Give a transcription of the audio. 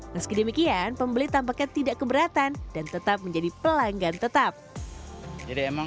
meski demikian pembeli tampaknya tidak keberatan dan tetap menjadi pelanggan tetap jadi emang